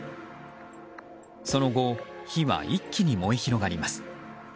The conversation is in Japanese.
その後火は一気に燃え広がります。